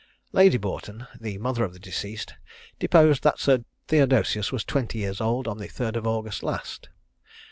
Lady Boughton, the mother of the deceased, deposed that Sir Theodosius was twenty years old on the 3rd of August last.